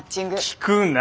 聞くな。